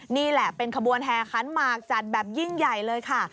นี่แหละเป็นขบวนแห่ขันหมากจัดแบบยิ่งใหญ่เลยค่ะ